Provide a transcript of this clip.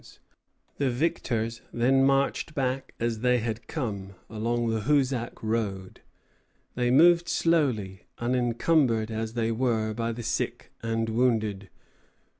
"] The victors then marched back as they had come, along the Hoosac road. They moved slowly, encumbered as they were by the sick and wounded.